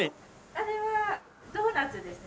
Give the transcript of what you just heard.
あれはドーナツですね。